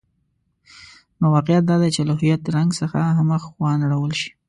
نو واقعیت دادی چې له هویت رنګ څخه مخ وانه ړول شي.